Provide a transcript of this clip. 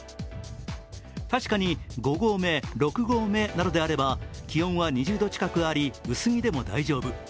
確かに５合目、６合目などであれば気温は２０度近くあり薄着でも大丈夫。